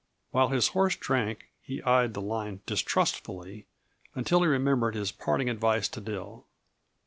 While his horse drank he eyed the line distrustfully until he remembered his parting advice to Dill.